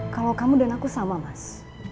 kalau kamu dan aku sama mas